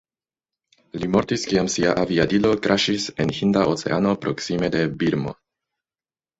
Li mortis kiam sia aviadilo kraŝis en Hinda Oceano proksime de Birmo.